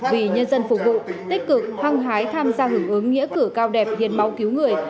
vì nhân dân phục vụ tích cực hăng hái tham gia hưởng ứng nghĩa cử cao đẹp hiến máu cứu người